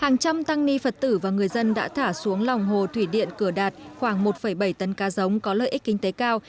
hàng trăm tăng ni phật tử và người dân đã thả xuống lòng hồ thủy điện cửa đạt khoảng một bảy tấn cá giống có lợi ích kinh tế cao